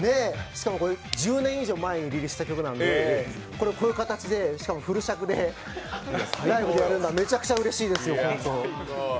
しかもこれ、１０年以上前にリリースした曲なので、こういう形で、しかもフル尺でライブをやるのはめちゃくちゃうれしいですよ。